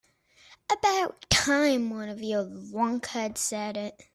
About time one of you lunkheads said it.